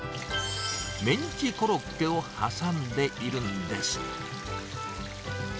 メンチコロッケを挟んでいるんです。